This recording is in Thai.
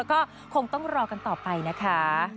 ก็คงต้องรอกันต่อไปนะคะ